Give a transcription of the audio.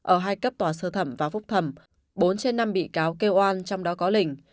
ở hai cấp tòa sơ thẩm và phúc thẩm bốn trên năm bị cáo kêu oan trong đó có linh